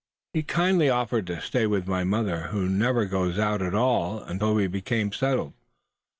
He kindly offered to stay with my mother, who never goes out at all, until we became settled.